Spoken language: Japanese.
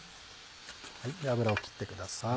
油を切ってください。